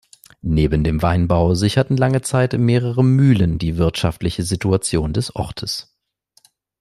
Neben dem Weinbau sicherten lange Zeit mehrere Mühlen die wirtschaftliche Situation des Ortes.